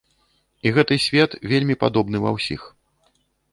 І гэты свет вельмі падобны ва ўсіх.